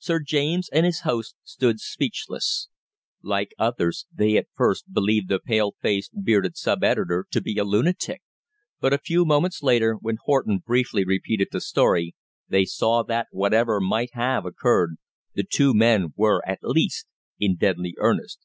Sir James and his host stood speechless. Like others, they at first believed the pale faced, bearded sub editor to be a lunatic, but a few moments later, when Horton briefly repeated the story, they saw that, whatever might have occurred, the two men were at least in deadly earnest.